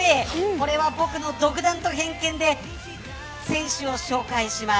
これは僕の独断と偏見で選手を紹介します。